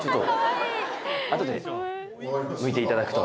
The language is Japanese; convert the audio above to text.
後でむいていただくと。